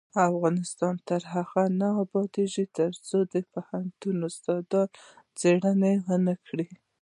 افغانستان تر هغو نه ابادیږي، ترڅو د پوهنتون استادان څیړنې ونکړي.